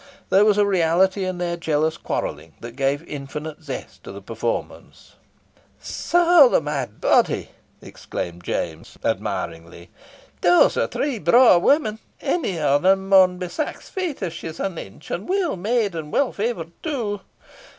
There was a reality in their jealous quarrelling that gave infinite zest to the performance. "Saul o' my body!" exclaimed James, admiringly, "those are three braw women. Ane of them maun be sax feet if she is an inch, and weel made and weel favourt too.